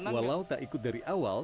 walau tak ikut dari awal